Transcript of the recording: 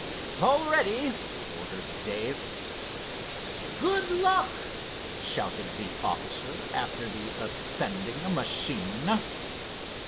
"All ready," ordered Dave. "Good luck!" shouted the officer after the ascending machine.